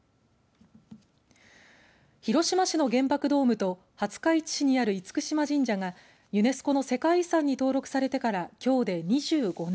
広島市の原爆ドームと廿日市市にある厳島神社がユネスコの世界遺産に登録されてからきょうで２５年。